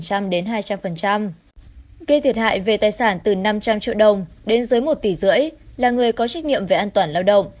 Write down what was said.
cây thiệt hại về tài sản từ năm trăm linh triệu đồng đến dưới một tỷ rưỡi là người có trách nhiệm về an toàn lao động